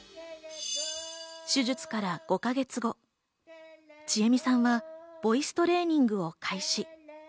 手術から５か月後、ちえみさんはボイストレーニングを開始。